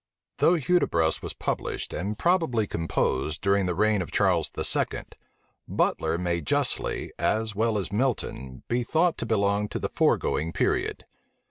Though Hudibras was published, and probably composed, during the reign of Charles II., Butler may justly, as well as Milton, be thought to belong to the foregoing period.